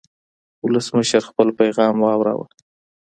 ولسمشر خپل پیغام واوراوه.